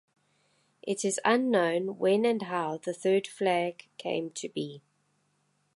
It is unknown when and how the third flag came to be.